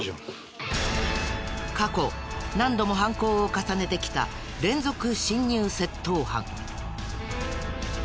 過去何度も犯行を重ねてきた連続侵入窃盗犯。